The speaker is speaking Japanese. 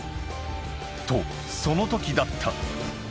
と、そのときだった。